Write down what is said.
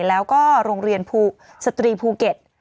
แล้วก็โรงเรียนสตรีภูเก็ต